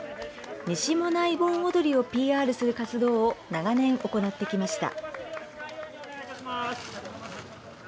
西馬音内盆踊りをＰＲする活動を長年行ってきました。